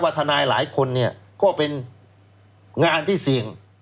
ทนายหลายคนเนี่ยก็เป็นงานที่เสี่ยง